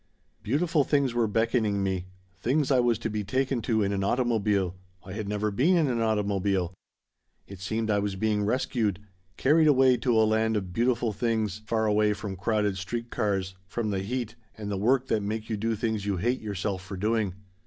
"Beautiful things were beckoning to me things I was to be taken to in an automobile I had never been in an automobile. It seemed I was being rescued, carried away to a land of beautiful things, far away from crowded street cars, from the heat and the work that make you do things you hate yourself for doing.